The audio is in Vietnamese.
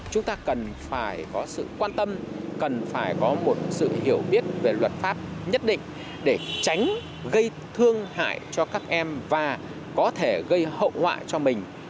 chúng ta cần phải có sự quan tâm cần phải có một sự hiểu biết về luật pháp nhất định để tránh gây thương hại cho các em và có thể gây hậu quả cho mình